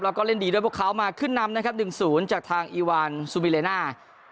แล้วก็เล่นดีด้วยพวกเขามาขึ้นนำนะครับ๑๐จากทางอีวานซูบิเลน่า